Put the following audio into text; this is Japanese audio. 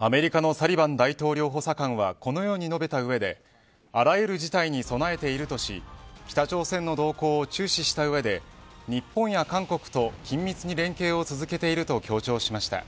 アメリカのサリバン大統領補佐官はこのように述べた上であらゆる事態に備えているとし北朝鮮の動向を注視した上で日本や韓国と緊密に連携を続けていると強調しました。